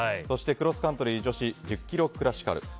そしてクロスカントリー女子１０ｋｍクラシカル。